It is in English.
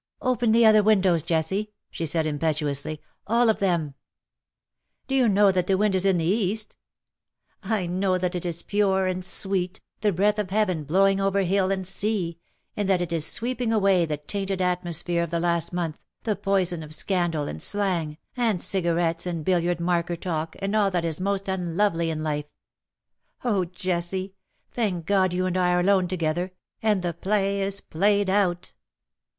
" Open the other windows, Jessie," she said im petuously ;'^ all of them.". TEARS AND TREASONS. 315 " Do you know that the wind is in the east T' " I know that it is pure and sweet, the breath of Heaven blowing over hill and sea, and that it is sweeping away the tainted atmosphere of the last month, the poison of scandal, and slang, and cigarettes, and billiard marker talk, and all that is most unlovely in life. Oh, Jessie, thank God you and I are alone together, and the play is played out.